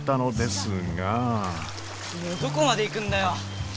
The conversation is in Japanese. どこまで行くんだよ？